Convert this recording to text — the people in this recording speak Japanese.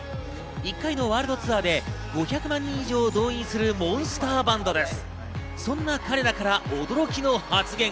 １回のワールドツアーで５００万人以上を動員するモンスターバンドです。